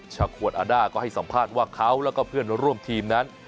ขวดอาด้าก็ให้สัมภาษณ์ว่าเขาแล้วก็เพื่อนร่วมทีมนั้น